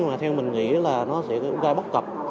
mà theo mình nghĩ là nó sẽ gai bắt cập